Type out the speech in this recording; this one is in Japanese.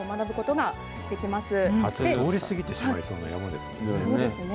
通り過ぎてしまいそうな山ですね。